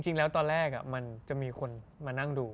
จริงแล้วตอนแรกมันจะมีคนมานั่งดู